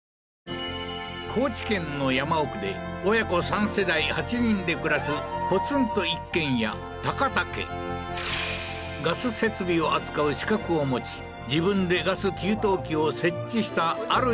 高知県の山奥で親子三世代８人で暮らすポツンと一軒家高田家ガス設備を扱う資格を持ち自分でガス給湯器を設置したあるじの孝司さん